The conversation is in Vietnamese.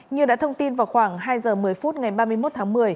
như đã thông tin vào khoảng hai giờ một mươi phút ngày ba mươi một tháng một mươi